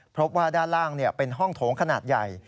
พบว่าด้านล่างเป็นห้องโถงขนาดใหญ่